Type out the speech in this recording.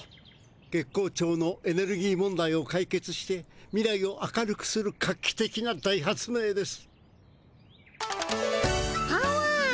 月光町のエネルギー問題を解決して未来を明るくする画期的な大発明です。